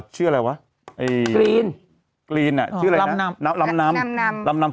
ชื่ออะไรวะเอ่ยอ๋อชื่ออะไรนะลำนำลำนำลำนำ